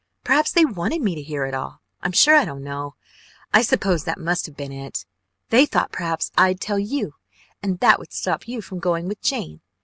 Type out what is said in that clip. Perhaps they wanted me to hear it all; I'm sure I don't know. I suppose that must have been it. They thought perhaps I'd tell you and that would stop you from going with Jane.